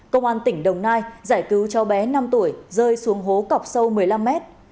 công an tỉnh đồng nai giải cứu cháu bé năm tuổi rơi xuống hố cọc sâu một mươi năm mét